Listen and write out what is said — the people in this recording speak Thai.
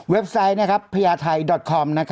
เว็บไซต์พยาไทยคอม